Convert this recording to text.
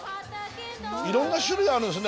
いろんな種類あるんですね